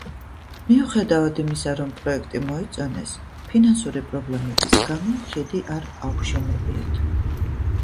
მიუხედავად იმისა, რომ პროექტი მოიწონეს, ფინანსური პრობლემების გამო ხიდი არ აუშენებიათ.